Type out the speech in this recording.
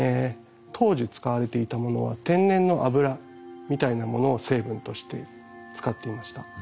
当時使われていたものは天然の脂みたいなものを成分として使っていました。